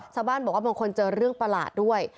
ชาวบ้านบอกว่าบางคนเจอเรื่องประหลาดด้วย